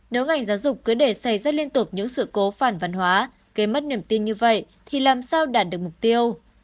nếu ngành giáo dục cứ để xảy ra liên tục những sự cố phản văn hóa gây mất niềm tin như vậy thì làm sao đạt được mục tiêu